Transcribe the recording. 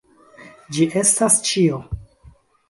Ĝi estas ĉio.